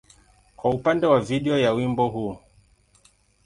kwa upande wa video ya wimbo huu.